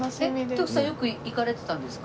徳さんよく行かれてたんですか？